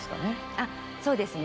あっそうですね。